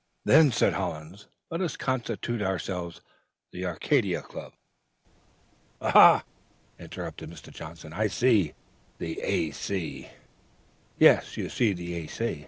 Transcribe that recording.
"'Then,' said Hollins, 'let us constitute ourselves the Arcadian Club!'" "Aha!" interrupted Mr. Johnson, "I see! The A.C.!" "Yes, you see the A.C.